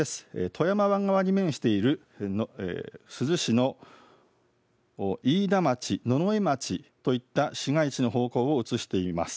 富山湾側に面しているの珠洲市の飯田町、野々江町といった市街地の方向を映しています。